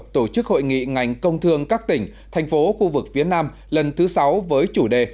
tổ chức hội nghị ngành công thương các tỉnh thành phố khu vực phía nam lần thứ sáu với chủ đề